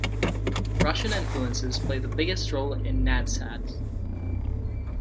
Russian influences play the biggest role in Nadsat.